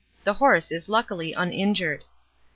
The horse is luckily uninjured.'